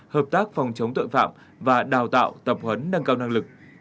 hợp tác phòng chống tội phạm và đào tạo tập huấn nâng cao năng lực